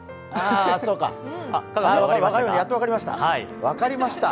やっと分かりました。